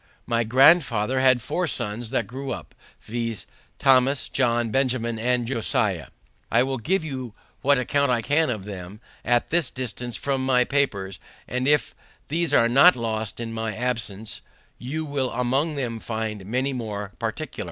My grandfather had four sons that grew up, viz.: Thomas, John, Benjamin and Josiah. I will give you what account I can of them at this distance from my papers, and if these are not lost in my absence, you will among them find many more particulars.